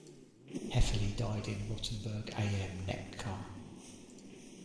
Hefele died in Rottenburg am Neckar.